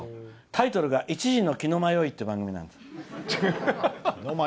タイトルが「１時の鬼の魔酔い」っていう番組なんです。